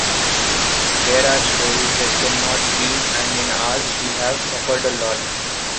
There are stories that cannot be and in ours we have suffered a lot.